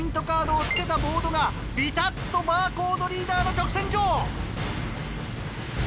カードを付けたボードがビタっとバーコートリーダーの直線上。